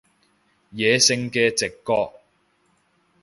野性嘅直覺